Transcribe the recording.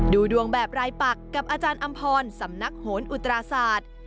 ดูดวงแบบรายปักกับอาจารย์อำพรสำนักโหนอุตราศาสตร์